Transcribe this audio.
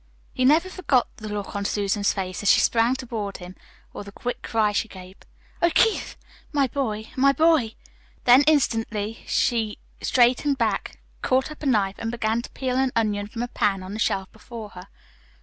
He never forgot the look on Susan's face as she sprang toward him, or the quick cry she gave. "Oh, Keith, my boy, my boy!" Then instantly she straightened back, caught up a knife, and began to peel an onion from a pan on the shelf before her.